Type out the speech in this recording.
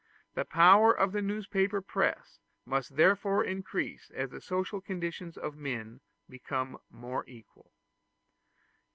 The power of the newspaper press must therefore increase as the social conditions of men become more equal.